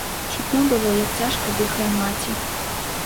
Чутно было, як цяжка дыхае маці.